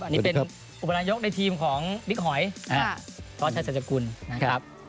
อันนี้เป็นอุบันยกในทีมของลิฮอยทรศัศจกุลนะครับ